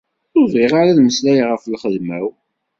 ur bɣiɣ ara ad meslayeɣ ɣef lxedma-w.